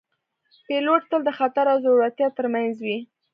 پیلوټ تل د خطر او زړورتیا ترمنځ وي